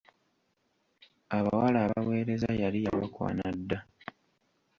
Abawala abaweereza yali yabakwana dda!